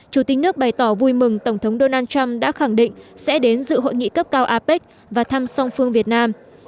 chủ tịch nước bày tỏ vui mừng tổng thống donald trump đã khẳng định sẽ đến dự hội nghị cấp cao apec và thăm song phương việt nam